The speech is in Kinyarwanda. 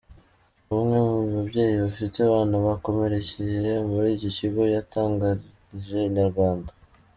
Umwe mu babyeyi bafite abana bakomerekeye muri icyo kigo, yatangarije Inyarwanda.